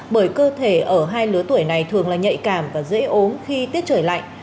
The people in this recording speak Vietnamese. bởi cơ thể ở hai lứa tuổi này thường là nhạy cảm và dễ ốm khi tiết trời lạnh